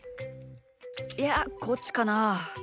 いやこっちかなあ？